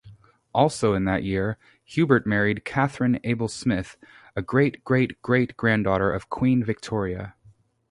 Also in that year, Hubert married Katherine Abel Smith, a great-great-great-granddaughter of Queen Victoria.